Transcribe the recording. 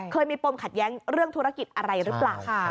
เคยมีปมขัดแย้งเรื่องธุรกิจอะไรหรือเปล่า